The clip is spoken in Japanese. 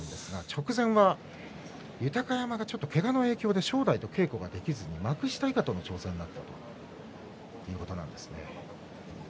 直前は豊山がけがの影響で正代と稽古ができずに幕下以下との調整だったということなんですね。